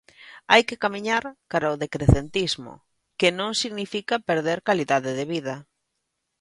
Hai que camiñar cara o decrecentismo, "Que non significa perder calidade de vida".